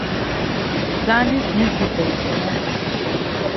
Teʼ tsaʼnis nyäjkwijtäyu teʼ näʼ.